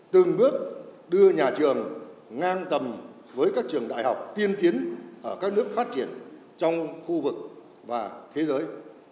từng bước đưa nhà trường ngang tầm với các trường đại học tiên tiến ở các nước phát triển trong khu vực và thế giới